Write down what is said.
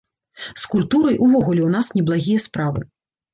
З культурай увогуле ў нас неблагія справы.